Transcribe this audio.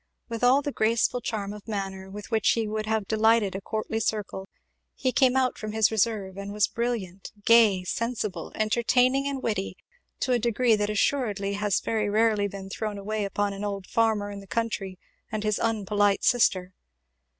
With all the graceful charm of manner with which he would have delighted a courtly circle, he came out from his reserve and was brilliant, gay, sensible, entertaining, and witty, to a degree that assuredly has very rarely been thrown away upon an old farmer in the country and his un polite sister.